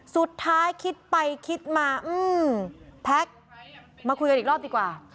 สุดท้ายคิดไปคิดมาแพ็คมาคุยกันอีกรอบดีกว่า